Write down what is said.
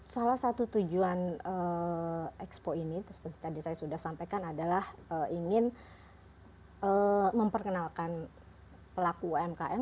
salah satu tujuan ekspor ini tadi saya sudah sampaikan adalah ingin memperkenalkan pelaku umkm